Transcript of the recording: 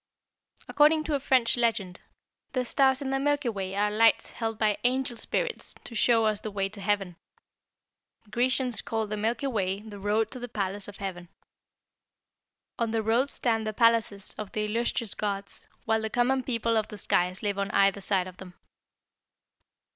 "According to a French legend, the stars in the Milky Way are lights held by angel spirits to show us the way to heaven. The Grecians called the Milky Way the road to the palace of heaven. On the road stand the palaces of the illustrious gods, while the common people of the skies live on either side of them.